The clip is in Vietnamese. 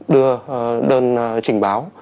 đưa đơn trình báo